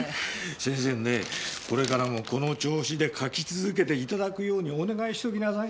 先生にねこれからもこの調子で書き続けていただくようにお願いしときなさい。